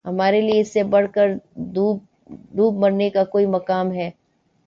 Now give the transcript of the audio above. ہمارے لیے اس سے بڑھ کر دوب مرنے کا کوئی مقام ہے